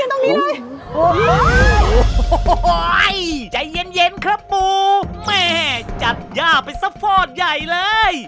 โอ้โหใจเย็นครับปูแม่จัดย่าไปสักฟอดใหญ่เลย